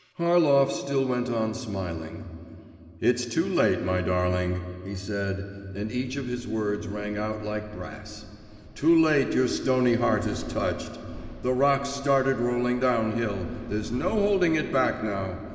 Harlov still went on smiling. 'It's too late, my darling,' he said, and each of his words rang out like brass. 'Too late your stony heart is touched! The rock's started rolling downhill there's no holding it back now!